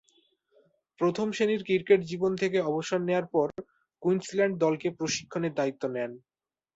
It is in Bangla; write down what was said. প্রথম-শ্রেণীর ক্রিকেট জীবন থেকে অবসর নেয়ার পর কুইন্সল্যান্ড দলকে প্রশিক্ষণের দায়িত্ব নেন।